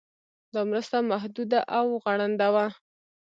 دا مرسته محدوده او غړنده وه.